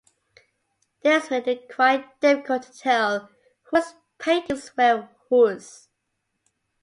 This made it quite difficult to tell whose paintings where whose.